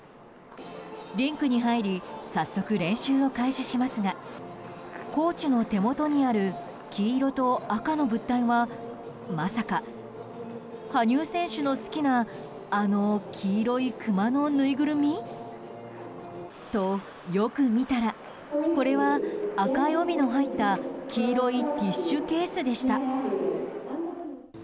リンクに入り早速、練習を開始しますがコーチの手元にある黄色と赤の物体はまさか、羽生選手の好きなあの黄色いクマのぬいぐるみ？と、よく見たらこれは赤い帯が入った黄色いティッシュケースでした。